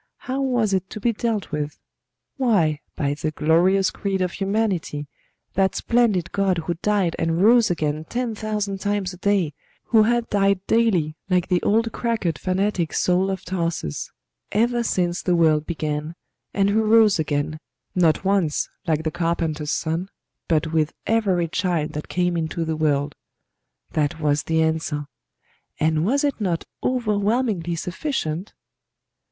How was it to be dealt with? Why, by the glorious creed of Humanity that splendid God who died and rose again ten thousand times a day, who had died daily like the old cracked fanatic Saul of Tarsus, ever since the world began, and who rose again, not once like the Carpenter's Son, but with every child that came into the world. That was the answer; and was it not overwhelmingly sufficient?